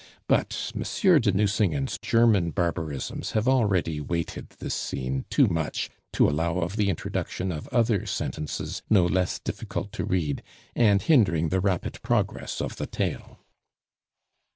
But Monsieur de Nucingen's German barbarisms have already weighted this Scene too much to allow of the introduction of other sentences no less difficult to read, and hindering the rapid progress of the tale.